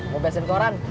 mau bebasin koran